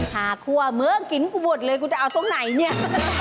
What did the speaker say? ขาคั่วมึงกินกูหมดเลยกูจะเอาตรงไหนเนี่ย